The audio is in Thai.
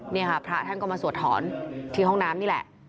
นี่ค่ะพระท่านก็มาสวดถอนที่ห้องน้ำนี่แหละ